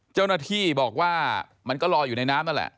เจ้าหน้าที่บอกว่ามันก็ลอยอยู่ในน้ำนั่นแหละ